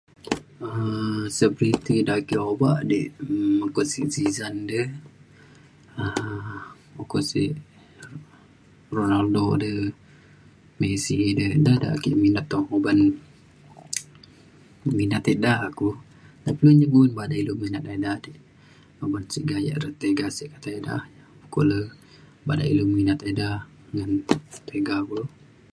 um selebriti dak ake obak di um oko sik Zizan di um uko sik Ronaldo de Messi edei ida da ake minat toh uban minat ek da ku nta pe ilu kumin badak ilu minat eda dek uban sik gaya re tiga sik kata eda jukok le badak ilu minat eda ngan tega kulo